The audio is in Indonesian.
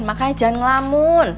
makanya jangan ngelamun